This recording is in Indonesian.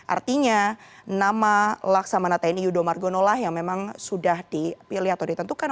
artinya nama laksamana tni yudho margono lah yang memang sudah dipilih atau ditentukan